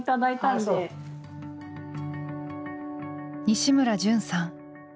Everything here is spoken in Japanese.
西村潤さん。